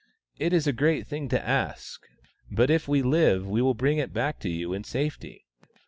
It is a great thing to ask ; but if we live we will bring it back to you in safety."